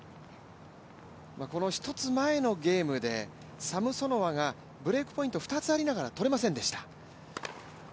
一つ前のゲームでサムソノワがブレークポイント２つありながら取れませんでした。